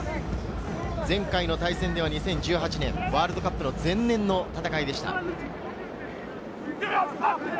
前回対戦は２０１８年、ワールドカップ前年の戦いでした。